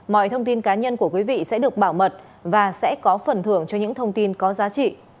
mọi thông tin cá nhân của quý vị sẽ được bảo mật và sẽ có phần thưởng cho những thông tin có giá trị